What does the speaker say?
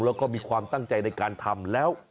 แล้วก็มีความตั้งใจในการทำแล้ว